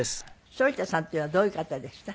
反田さんっていうのはどういう方でした？